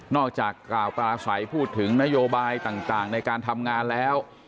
จากกล่าวปลาใสพูดถึงนโยบายต่างในการทำงานแล้ว